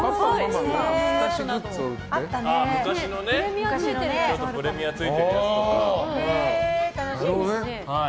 昔のプレミアついてるやつとかね。